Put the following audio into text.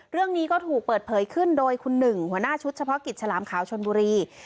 เรื่องนี้ก็ถูกเปิดเผยขึ้นโดยคุณหนึ่งหัวหน้าชุดเฉพาะกิจฉลามขาวชนบุรี